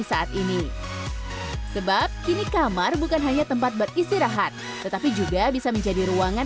saat ini sebab kini kamar bukan hanya tempat beristirahat tetapi juga bisa menjadi ruangan